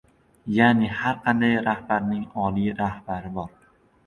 ya’ni, har qanday rahbarning oliy rahbari bor.